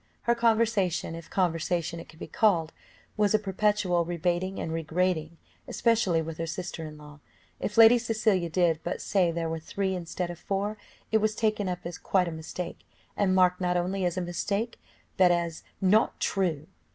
Her conversation, if conversation it could be called, was a perpetual rebating and regrating, especially with her sister in law; if Lady Cecilia did but say there were three instead of four, it was taken up as "quite a mistake," and marked not only as a mistake, but as "not true."